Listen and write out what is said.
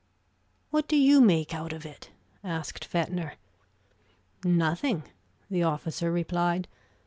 "What do you make out of it?" asked Fetner. "Nothing," the officer replied.